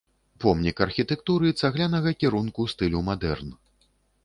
Помнік архітэктуры цаглянага кірунку стылю мадэрн.